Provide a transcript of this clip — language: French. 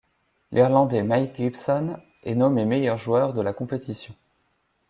L'Irlandais Mike Gibson est nommé meilleur joueur de la compétition.